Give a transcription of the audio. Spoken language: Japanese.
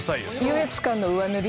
優越感の上塗り。